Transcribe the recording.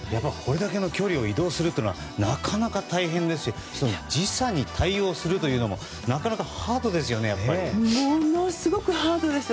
この距離を移動するのはなかなか大変ですし時差に対応するというのもものすごくハードです。